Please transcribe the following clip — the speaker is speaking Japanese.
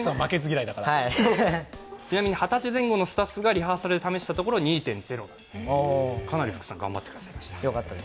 ちなみに二十歳前後のスタッフがリハーサルで試したところ２．０、かなり福さん頑張ってくださいました。